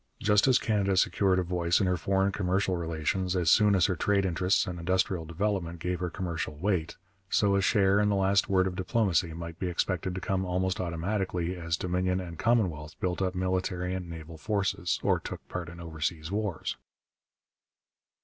Just as Canada secured a voice in her foreign commercial relations as soon as her trade interests and industrial development gave her commercial weight, so a share in the last word of diplomacy might be expected to come almost automatically as Dominion and Commonwealth built up military and naval forces, or took part in oversea wars.